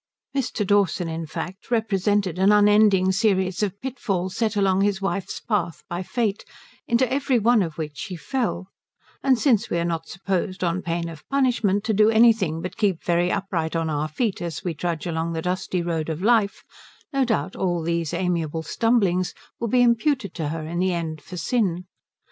Mr. Dawson, in fact, represented an unending series of pitfalls set along his wife's path by Fate, into every one of which she fell; and since we are not supposed, on pain of punishment, to do anything but keep very upright on our feet as we trudge along the dusty road of life, no doubt all those amiable stumblings will be imputed to her in the end for sin.